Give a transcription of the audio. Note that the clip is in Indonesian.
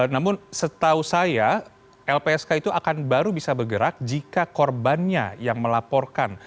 namun setahu saya lpsk itu akan baru bisa bergerak jika korbannya yang melaporkan